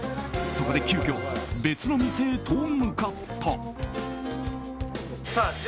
そこで急きょ別の店へと向かった。